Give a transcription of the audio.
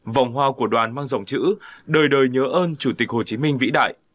vòng hoa của đoàn mang dòng chữ đời đời nhớ ơn chủ tịch hồ chí minh vĩ đại